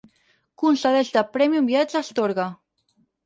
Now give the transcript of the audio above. Concedeix de premi un viatge a Astorga.